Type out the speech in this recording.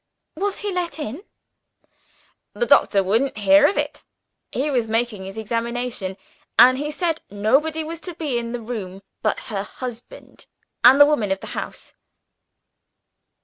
"Was he let in?" "The doctor wouldn't hear of it. He was making his examination; and he said nobody was to be in the room but her husband and the woman of the house."